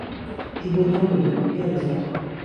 ئهی بۆ تۆ مردم پێنهزان